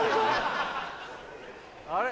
あれ？